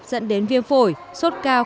dẫn đến viêm phổi sốt cao